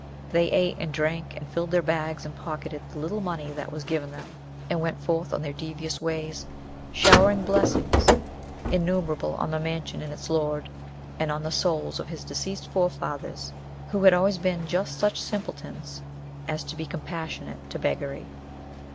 They ate and drank, and filled their bags, and pocketed the little money that was given them, and went forth on their devious ways, showering blessings innumerable on the mansion and its lord, and on the souls of his deceased forefathers, who had always been just such simpletons as to be compassionate to beggary.